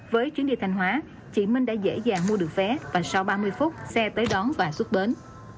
với chuyến đi thanh hóa chị minh đã dễ dàng mua được vé và sau ba mươi phút xe tới đón và xuất bến